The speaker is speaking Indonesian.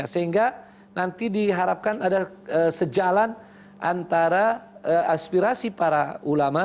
sehingga nanti diharapkan ada sejalan antara aspirasi para ulama